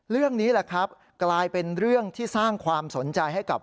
เรื่องนี้แหละครับกลายเป็นเรื่องที่สร้างความสนใจให้กับ